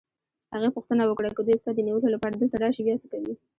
هغې پوښتنه وکړه: که دوی ستا د نیولو لپاره دلته راشي، بیا څه کوې؟